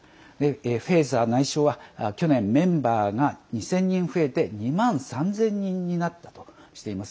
フェーザー内相は去年メンバーが２０００人増えて２万３０００人になったとしています。